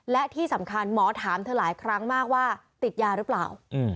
และที่สำคัญหมอถามเธอหลายครั้งมากว่าติดยาหรือเปล่า